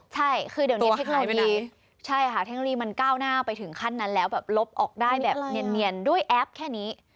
ใช่คือเดี๋ยวนี้เทคโนโลกิเตอร์มันก้าวหน้าไปถึงขั้นนั้นแล้วเราลบออกได้แบบเนียนด้วยแอปแค่นี้